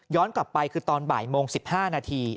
กลับไปคือตอนบ่ายโมง๑๕นาที